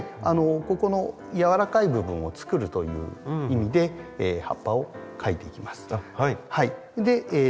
ここのやわらかい部分をつくるという意味で葉っぱをかいていきます。